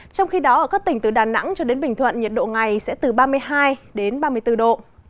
trong khi đó ở các tỉnh từ đà nẵng cho đến bình thuận nhiệt độ ngày sẽ từ ba mươi hai đến ba mươi bốn độ